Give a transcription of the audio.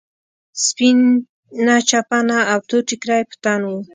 سپينه چپن او تور ټيکری يې په تن و.